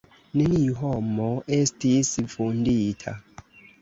Neniu homo estis vundita.